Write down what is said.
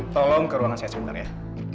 tolong ke ruangan saya sebentar ya